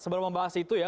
sebelum membahas itu ya